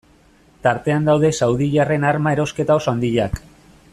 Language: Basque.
Tartean daude saudiarren arma erosketa oso handiak.